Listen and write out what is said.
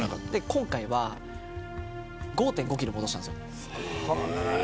今回は５．５キロ戻したんです。